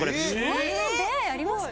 そんな出会いありますか？